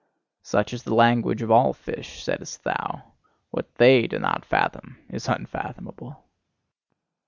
"Such is the language of all fish," saidst thou; "what THEY do not fathom is unfathomable.